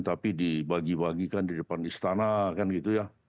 tapi dibagi bagikan di depan istana kan gitu ya